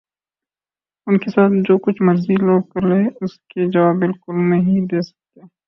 ان کے ساتھ جو کچھ مرضی لوگ کر لیں اس کے جواب بالکل نہیں دے سکتے